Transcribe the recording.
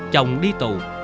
chồng đi tù